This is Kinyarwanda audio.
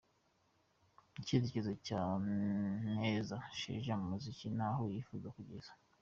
Icyerekezo cya Kaneza Sheja mu muziki n'aho yifuza kugera.